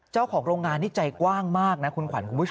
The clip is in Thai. เจ้าของโรงงานนี่ใจกว้างมากนะคุณขวัญคุณผู้ชม